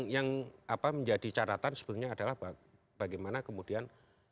yang menjadi catatan sebetulnya adalah bagaimana kemudian